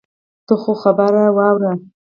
ته خو خبره واوره.